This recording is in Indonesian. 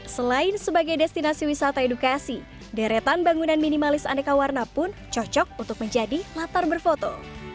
selain sebagai destinasi wisata edukasi deretan bangunan minimalis aneka warna pun cocok untuk menjadi latar berfoto